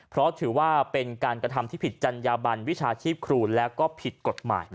เพราะถือว่าเป็นการกระทำที่ผิดจัญญาบันวิชาชีพครูและก็ผิดกฎหมาย